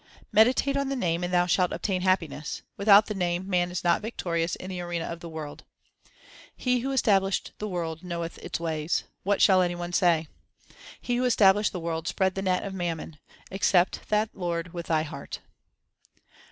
Meditate on the Name and thou shalt obtain happiness : without the Name man is not victorious in the arena of the world. HYMNS OF GURU NANAK 329 He who established the world knoweth its ways ; what shall any one say ? He who established the world spread the net of mammon ; accept that Lord with thy heart.